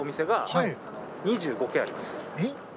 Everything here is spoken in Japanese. えっ？